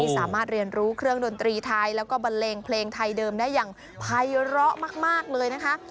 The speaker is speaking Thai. สามารถเรียนรู้เครื่องดนตรีไทยแล้วก็บันเลงเพลงไทยเดิมได้อย่างภัยร้อมากเลยนะคะ